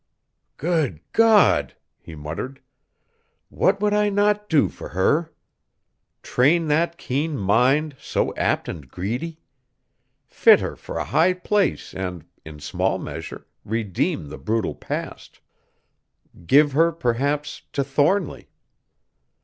"Good God!" he muttered; "what would I not do for her? Train that keen mind, so apt and greedy! Fit her for a high place and, in small measure, redeem the brutal past! Give her perhaps to Thornly!"